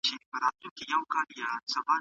کتابونه د علامه بابا خپل آثار دي او د نورو ليکوالو